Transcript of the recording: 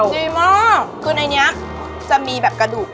ดีมากคือในนี้จะมีแบบกระดูก